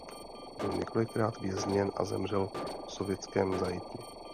Byl několikrát vězněn a zemřel v sovětském zajetí.